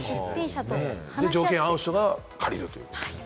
条件が合う人が借りると。